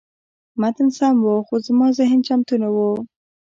متن سم و، خو زما ذهن چمتو نه و.